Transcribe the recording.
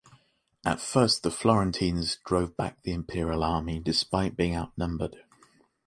At first the Florentines drove back the Imperial army, despite being outnumbered.